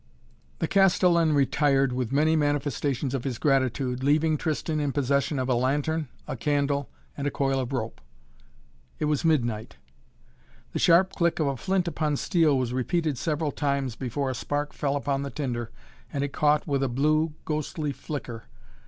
The Castellan retired with many manifestations of his gratitude, leaving Tristan in possession of a lantern, a candle and a coil of rope. It was midnight. The sharp click of a flint upon steel was repeated several times before a spark fell upon the tinder and it caught with a blue, ghostly flicker.